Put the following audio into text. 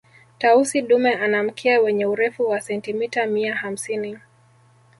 tausi dume ana mkia wenye urefu wa sentimita mia hamsini